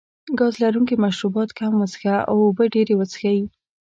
ګاز لرونکي مشروبات کم وڅښه او اوبه ډېرې وڅښئ.